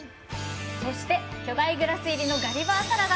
そして巨大グラス入りのガリバーサラダ。